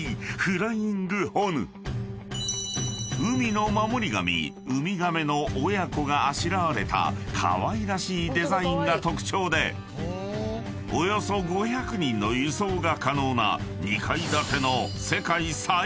［海の守り神ウミガメの親子があしらわれたかわいらしいデザインが特徴でおよそ５００人の輸送が可能な］